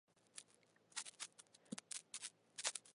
第九镇驻江苏南京。